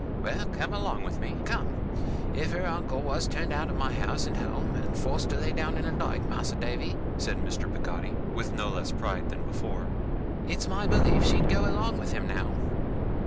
Well! come along with me come! If her uncle was turned out of house and home, and forced to lay down in a dyke, Mas'r Davy,' said Mr. Peggotty, with no less pride than before, 'it's my belief she'd go along with him, now!